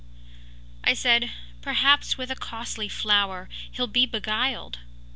“I said: ‘Perhaps with a costly flower He’ll be beguiled.